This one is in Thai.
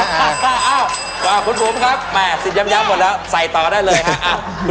ว้าวคุณภูมิครับสิบย้ำหมดแล้วใส่ต่อได้เลยฮะ